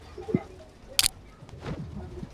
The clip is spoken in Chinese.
勒夫雷斯恩波雷。